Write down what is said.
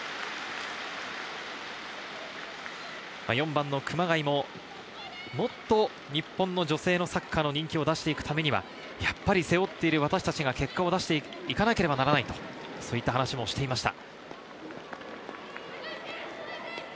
４番・熊谷ももっと日本の女性のサッカーの人気を出していくためには、やっぱり背負っている私達が結果を出していかなければならないと話をしていました。